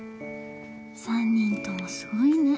３人ともすごいね。